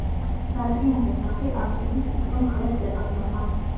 სატრიუმფო თაღი აბსიდის ვიწრო მხრებს ეყრდნობა.